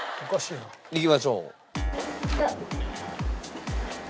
いきましょう。